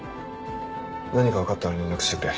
何か分かったら連絡してくれ。